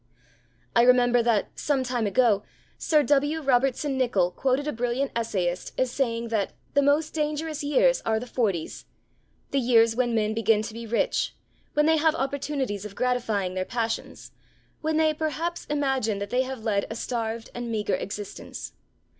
I remember that, some time ago, Sir W. Robertson Nicoll quoted a brilliant essayist as saying that 'the most dangerous years are the forties the years when men begin to be rich, when they have opportunities of gratifying their passions, when they, perhaps, imagine that they have led a starved and meagre existence.'